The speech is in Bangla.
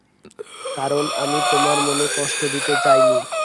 কারণ আমি তোমার মনে কষ্ট দিতে চাইনি।